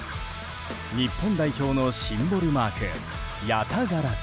日本代表のシンボルマークヤタガラス。